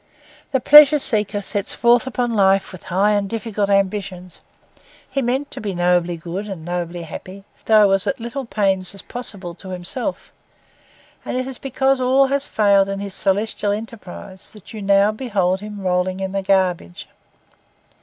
The pleasure seeker sets forth upon life with high and difficult ambitions; he meant to be nobly good and nobly happy, though at as little pains as possible to himself; and it is because all has failed in his celestial enterprise that you now behold him rolling in the garbage.